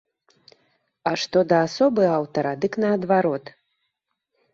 А што да асобы аўтара, дык наадварот.